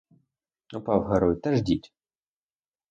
Упав герой, та ждіть!